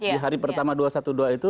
di hari pertama dua ratus dua belas itu